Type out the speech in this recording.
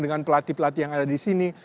dengan pelatih pelatih yang ada di sini